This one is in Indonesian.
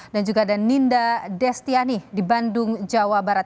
dan juga ada ninda destiani di bandung jawa barat